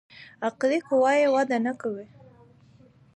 عقلي قوه يې وده نکوي.